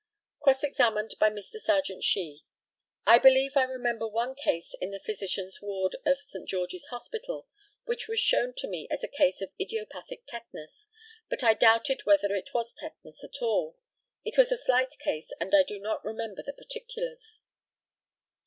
Cross examined by Mr. Serjeant SHEE: I believe I remember one case in the physicians' ward of St. George's Hospital, which was shown to me as a case of idiopathic tetanus, but I doubted whether it was tetanus at all. It was a slight case, and I do not remember the particulars.